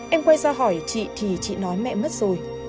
em quay ra hỏi chị thì chị nói mẹ mất rồi